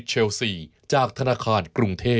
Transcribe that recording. ข้าวใส่ไข่